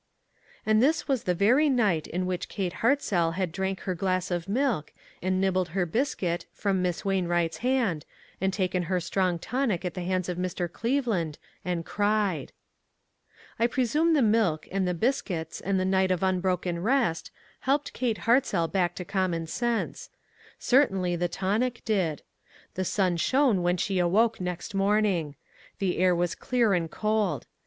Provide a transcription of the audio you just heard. And this was the very night in which Kate Hartzell had drank her glass of milk, and nibbled her biscuit, from Miss Wain wright's hand, and taken her strong tonic at the hands of Mr. Cleveland, and cried. I presume the milk, and the biscuits, and the night of unbroken rest, helped Kate Hartzell back to common sense. Certainly the tonic did. The sun shone when she awoke next morning. The air was clear and cold.